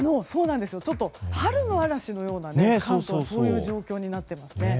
ちょっと春の嵐のような関東はそういう状況になっています。